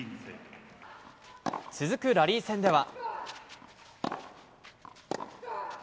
続くラリー戦では。